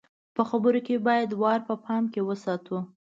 په خبرو کې بايد وار په پام کې وساتو.